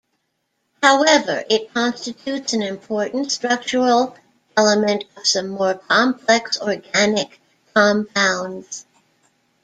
However, it constitutes an important structural element of some more complex organic compounds.